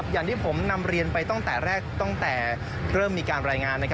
อย่างที่ผมนำเรียนไปตั้งแต่แรกตั้งแต่เริ่มมีการรายงาน